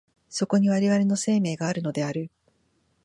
そこに我々の生命があるのである。